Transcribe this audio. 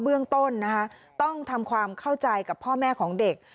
เบื้องต้นนะคะต้องทำความเข้าใจกับพ่อแม่ของเด็ก